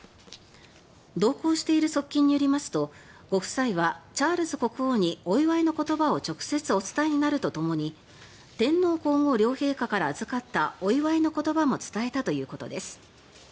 同行している側近によりますとご夫妻はチャールズ国王にお祝いの言葉を直接お伝えになるとともに天皇・皇后両陛下から預かったお祝いの言葉も伝えたということです。